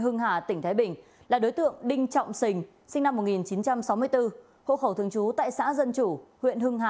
có ai bị các đối tượng dùng phương thức thủ đoạn cướp tài sản như trên